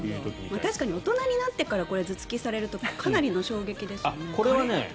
確かに大人になってから頭突きをされるとかなりの衝撃ですよね。